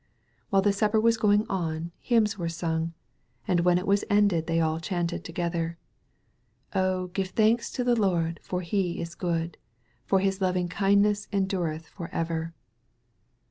While the supper was going on» hymns were sung, and when it was ended they all chanted together: *'0h, give thanks to the Lord, for He is good; For His loving kindness endureth for ever."